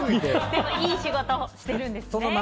でもいい仕事してるんですよね。